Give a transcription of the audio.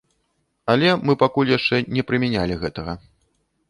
Але мы пакуль яшчэ не прымянялі гэтага.